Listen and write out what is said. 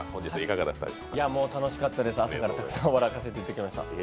楽しかったです、朝からたくさん笑わせていただきました。